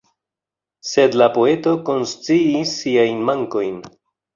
Sed la poeto konsciis siajn mankojn.